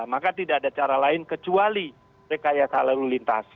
maka tidak ada cara lain kecuali rekayasa lalu lintas